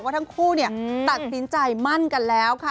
ว่าทั้งคู่ตัดสินใจมั่นกันแล้วค่ะ